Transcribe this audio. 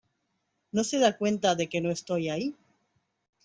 ¿ No se da cuenta de que no estoy ahí?